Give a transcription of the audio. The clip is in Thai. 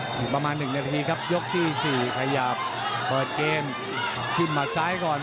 อยู่ประมาณ๑นาทีครับยกที่๔ขยับเปิดเกมขึ้นมาซ้ายก่อน